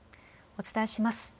お伝えします。